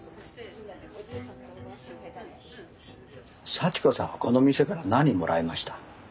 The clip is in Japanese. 幸子さんはこの店から何もらいました？